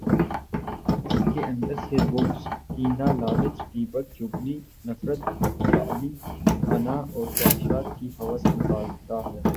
اس کے اندر سے بغض، کینہ، لالچ، غیبت، چغلی، نفرت، جعلی انااور خواہشات کی ہوس نکالتا ہے۔